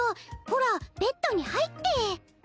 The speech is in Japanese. ほらベッドに入って。